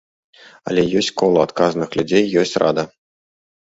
Але ёсць кола адказных людзей, ёсць рада.